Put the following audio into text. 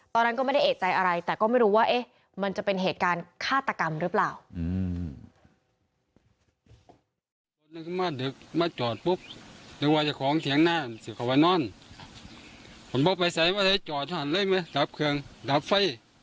ตอนนั้นก็ไม่ได้เอกใจอะไรแต่ก็ไม่รู้ว่ามันจะเป็นเหตุการณ์ฆาตกรรมหรือเปล่า